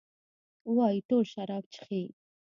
وايي ټول شراب چښي؟